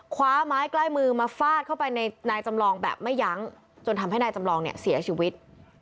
คว้าไม้ใกล้มือมาฟาดเข้าไปในนายจำลองแบบไม่ยั้งจนทำให้นายจำลองเนี่ยเสียชีวิต